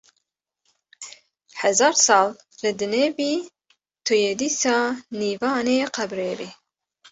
Hezar sal li dinê bî tu yê dîsa nîvanê qebrê bî